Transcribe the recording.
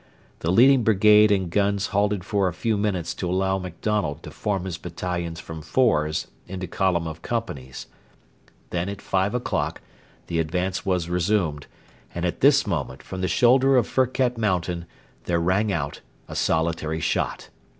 The leading brigade and guns halted for a few minutes to allow MacDonald to form his battalions from 'fours' into column of companies. Then at five o'clock the advance was resumed, and at this moment from the shoulder of Firket mountain there rang out a solitary shot.